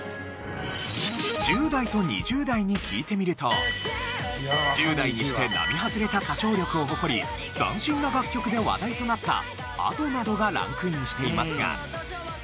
１０代と２０代に聞いてみると１０代にして並外れた歌唱力を誇り斬新な楽曲で話題となったＡｄｏなどがランクインしていますが。